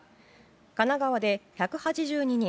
神奈川で１８２人